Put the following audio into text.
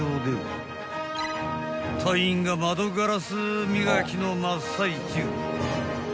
［隊員が窓ガラス磨きの真っ最中］